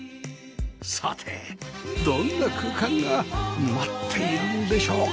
さてどんな空間が待っているんでしょうか？